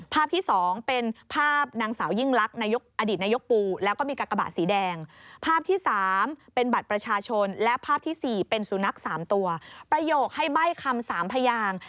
ภาพที่๒เป็นภาพนางสาวยิ่งลักษณ์อดีตนายกปู